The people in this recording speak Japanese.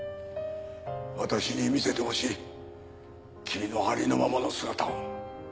私に見せてほしい君のありのままの姿を。